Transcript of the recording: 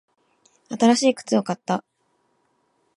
新しい靴を買った。